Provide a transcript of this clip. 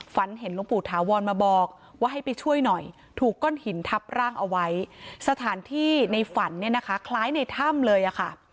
ฝันเห็นหลวงปู่ถาวรมาบอกว่าให้ไปช่วยหน่อยถูกก้อนหินทับร่างเอาไว้สถานที่ในฝันเนี่ยนะคะคล้ายในถ้ำเลยอะค่ะ